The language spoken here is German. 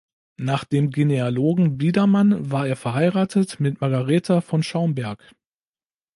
Nach dem Genealogen Biedermann war er verheiratet mit Margaretha von Schaumberg.